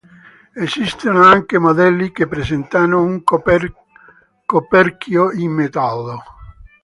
Esistono anche modelli che presentano un coperchio in metallo.